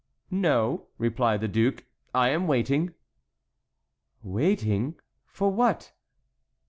"No," replied the duke; "I am waiting." "Waiting! for what?"